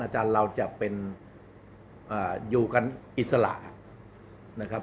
อาจารย์เราจะเป็นอยู่กันอิสระนะครับ